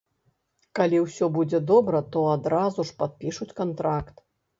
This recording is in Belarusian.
Калі ўсё будзе добра, то адразу ж падпішуць кантракт.